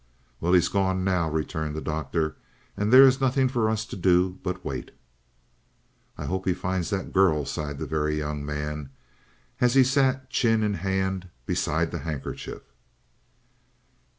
"Well, he's gone now," returned the Doctor, "and there is nothing for us to do but wait." "I hope he finds that girl," sighed the Very Young Man, as he sat chin in hand beside the handkerchief.